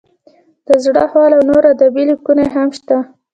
د زړه خواله او نور ادبي لیکونه یې هم شته.